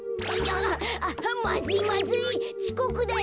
まずいまずいちこくだよ。